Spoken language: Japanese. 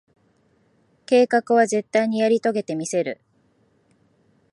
計画は、絶対にやり遂げてみせる。